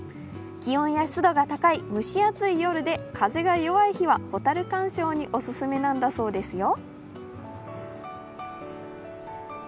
気温や湿度が高い蒸し暑い夜で風が弱い日は、ホタル鑑賞におすすめなんだそうですよ。